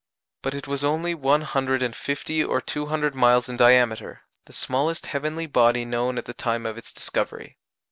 But it was only one hundred and fifty or two hundred miles in diameter the smallest heavenly body known at the time of its discovery.